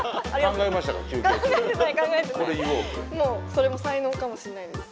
それも才能かもしれないです。